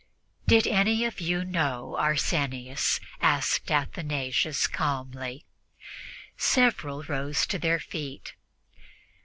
"Did any of you know Arsenius?" asked Athanasius calmly. Several rose to their feet.